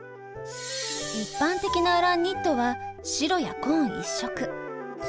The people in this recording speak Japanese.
一般的なアランニットは白や紺一色。